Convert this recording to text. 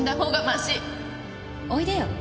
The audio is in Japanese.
おいでよ。